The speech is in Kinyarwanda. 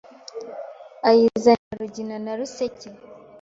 Ayizanira Rugina na rusake